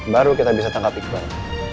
baru kita bisa tangkap iqbal